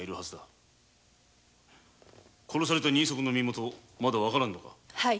殺された人足の身元はまだ分からんか？